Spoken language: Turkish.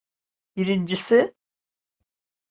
Birincisi…